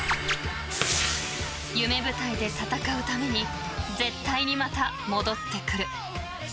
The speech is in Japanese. ［夢舞台で戦うために絶対にまた戻ってくる］